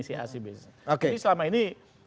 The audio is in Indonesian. si a si b c jadi selama ini